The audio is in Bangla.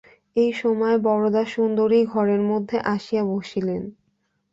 এই সময় বরদাসুন্দরী ঘরের মধ্যে আসিয়া বসিলেন।